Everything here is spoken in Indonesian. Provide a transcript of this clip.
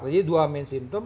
jadi dua main simptom